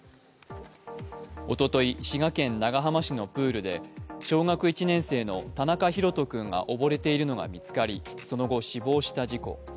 おととい、滋賀県長浜市のプールで小学１年生の田中大翔君が溺れているのが見つかりその後、死亡した事故。